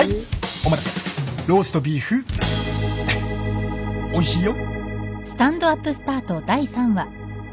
おいしいよ。